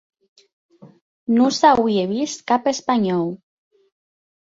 Non s'auie vist cap espanhòu.